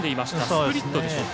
スプリットでしょうか。